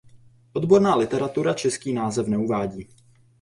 Odborná literatura český název neuvádí.